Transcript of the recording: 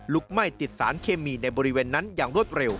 ไหม้ติดสารเคมีในบริเวณนั้นอย่างรวดเร็ว